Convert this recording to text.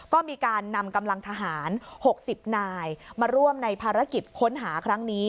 ก็มีการนำกำลังทหาร๖๐นายมาร่วมในภารกิจค้นหาครั้งนี้